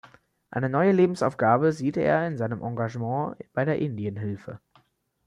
Eine „neue Lebensaufgabe“ sieht er in seinem Engagement bei der Indien-Hilfe.